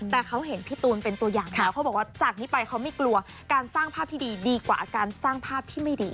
แต่เขาเห็นพี่ตูนเป็นตัวอย่างแล้วเขาบอกว่าจากนี้ไปเขาไม่กลัวการสร้างภาพที่ดีดีกว่าการสร้างภาพที่ไม่ดี